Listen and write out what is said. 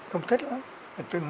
không thích lắm